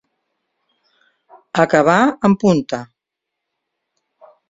Acabar en punta.